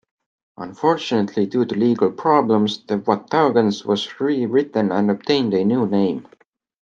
Unfortunately, due to legal problems, "The Wataugans" was rewritten, and obtained a new name.